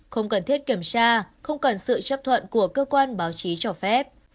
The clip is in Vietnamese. không cần thiết kiểm tra không cần sự chấp thuận của cơ quan báo chí cho phép